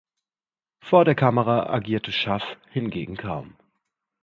Vor der Kamera agierte Schaff hingegen kaum.